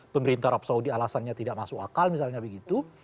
pemerintah arab saudi alasannya tidak masuk akal misalnya begitu